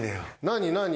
何何？